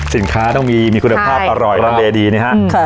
สินค้าต้องมีมีคุณภาพอร่อยร้อนเบยดีนะฮะค่ะ